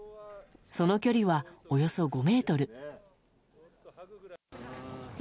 その距離は、およそ５ｍ。